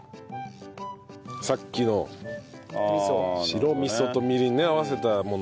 さっきの白味噌とみりんね合わせたもの。